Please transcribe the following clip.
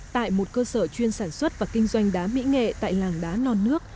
tại một cơ sở chuyên sản xuất và kinh doanh đá mỹ nghệ tại làng đá non nước